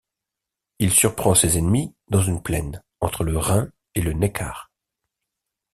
Il surprend ses ennemis dans une plaine entre le Rhin et le Neckar.